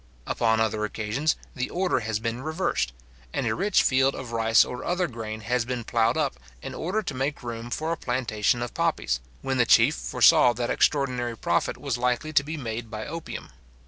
Upon other occasions, the order has been reversed; and a rich field of rice or other grain has been ploughed up, in order to make room for a plantation of poppies, when the chief foresaw that extraordinary profit was likely to be made by opium.